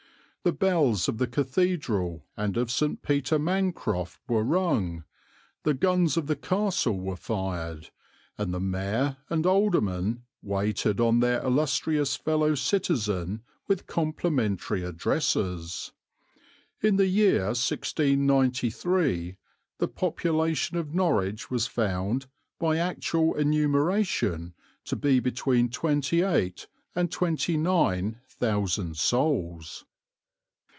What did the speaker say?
The bells of the Cathedral and of St. Peter Mancroft were rung; the guns of the Castle were fired; and the Mayor and Aldermen waited on their illustrious fellow citizen with complimentary addresses. In the year 1693 the population of Norwich was found, by actual enumeration, to be between twenty eight and twenty nine thousand souls."